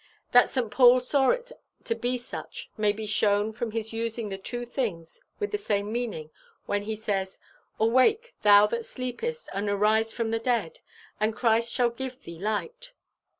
That St. Paul saw it to be such may be shown from his using the two things with the same meaning when he says, 'Awake, thou that sleepest, and arise from the dead, and Christ shall give thee light.